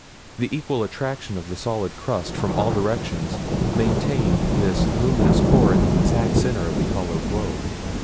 The equal attraction of the solid crust from all directions maintained this luminous core in the exact center of the hollow globe.